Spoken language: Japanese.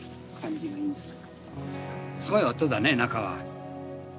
すごい音だね中は。